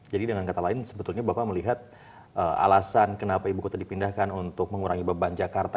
jadi dengan kata lain sebetulnya bapak melihat alasan kenapa ibu kota dipindahkan untuk mengurangi beban jakarta